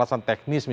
apa yang akan terjadi